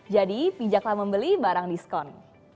jadi pijaklah membeli barang diskon